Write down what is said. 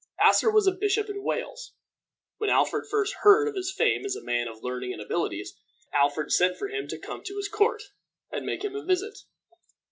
Asser was a bishop in Wales when Alfred first heard of his fame as a man of learning and abilities, and Alfred sent for him to come to his court and make him a visit.